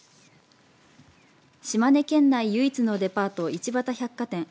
島根県内唯一のデパート、一畑百貨店。